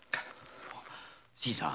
新さん。